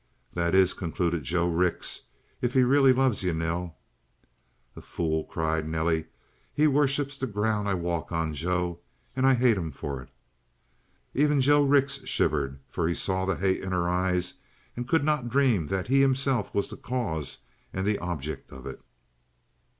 "That is," concluded Joe Rix, "if he really loves you, Nell." "The fool!" cried Nelly. "He worships the ground I walk on, Joe. And I hate him for it." Even Joe Rix shivered, for he saw the hate in her eyes and could not dream that he himself was the cause and the object of it.